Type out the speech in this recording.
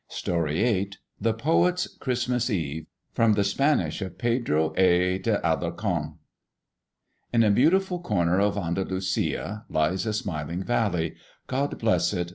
THE POET'S CHRISTMAS EVE. From the Spanish of PEDRO A. DE ALARCÓN. In a beautiful corner of Andalusia Lies a smiling valley. God bless it!